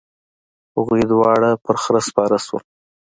هغوی دواړه په خره سپاره شول.